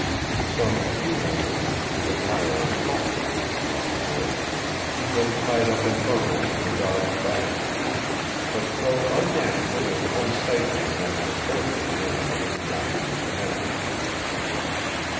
Some few owners, who admire and cultivate these long cords, keep them tied up in bundles on the dog's back, but so unnatural and unsightly a method of burdening the animal is not to be commended.